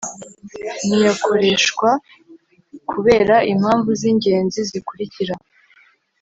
ntiyakoreshwa kubera impamvu z’ ingenzi zikurikira